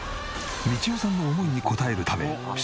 道代さんの思いに応えるため照英が動く！